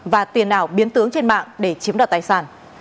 và tiền ảo biến tướng trên mạng để chiếm đoạt tài sản